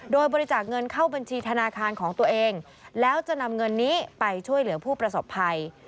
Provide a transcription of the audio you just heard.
โดยบริจาคเงินเข้าบัญชีธนาคารของตัวเองแล้วจะนำเงินนี้ไปช่วยเหลือผู้ประสบภัย